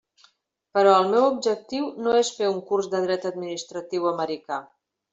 Però el meu objectiu no és fer un curs de dret administratiu americà.